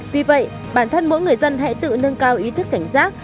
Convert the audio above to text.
vì vậy bản thân mỗi người dân hãy tự nâng cao ý thức cảnh giác